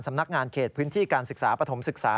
สำนักงานเขตพื้นที่การศึกษาปฐมศึกษา